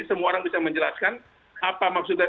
semua orang bisa menjelaskan apa maksudnya